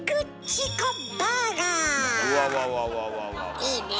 いいねえ。